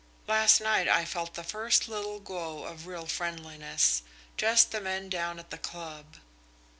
Last night I felt the first little glow of real friendliness just the men down at the club."